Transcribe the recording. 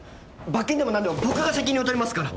罰金でもなんでも僕が責任を取りますから！